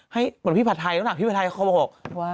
เหมือนพี่ผัดไทยตอนหากพี่ผัดไทยเขาบอกว่า